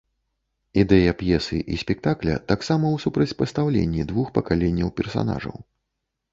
Ідэя п'есы і спектакля таксама ў супрацьпастаўленні двух пакаленняў персанажаў.